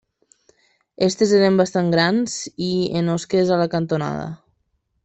Aquestes eren bastant grans i amb osques a la cantonada.